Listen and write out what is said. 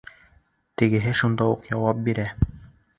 Тегеһе шунда уҡ яуап бирә: